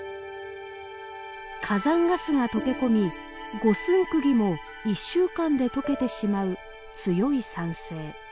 火山ガスが溶け込み五寸くぎも１週間で溶けてしまう強い酸性。